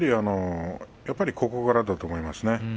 やっぱりここからだと思いますね。